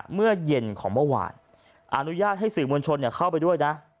เมื่อเย็นของเมื่อวานอนุญาตให้สื่อมวลชนเข้าไปด้วยนะ